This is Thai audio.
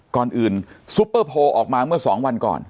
ก่อนอื่นซุปเปอร์โพลออกมาเมื่อ๒วันก่อน